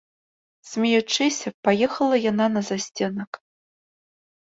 Смеючыся, паехала яна на засценак.